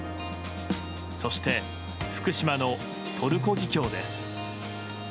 そして福島のトルコギキョウです。